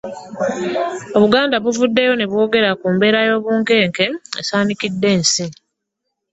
Obuganda buvuddeyo ne bwogera ku mbeera y'obunkenke esaanikidde ensi.